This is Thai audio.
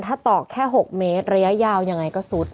ถ้าตอกแค่๖เมตรระยะยาวยังไงก็ซุด